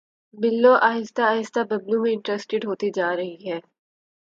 بلو آہستہ آہستہ ببلو میں انٹرسٹیڈ ہوتی جا رہی ہے